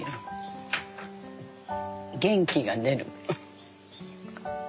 元気が出る。